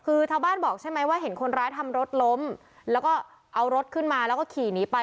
คือชาวบ้านบอกใช่ไหมว่าเห็นคนร้ายทำรถล้มแล้วก็เอารถขึ้นมาแล้วก็ขี่หนีไป